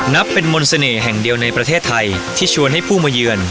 นับเป็นมนต์เสน่ห์แห่งเดียวในประเทศไทยที่ชวนให้ผู้มาเยือน